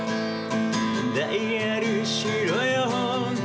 「ダイヤルしろよ」